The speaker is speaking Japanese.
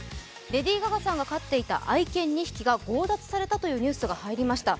レディー・ガガさんが飼っていた愛犬２匹が強奪されたというニュースがありました。